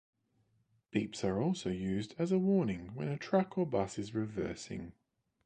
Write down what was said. Beeps are also used as a warning when a truck or bus is reversing.